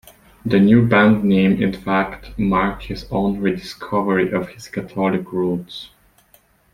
The new band name, in fact, marked his own rediscovery of his Catholic roots.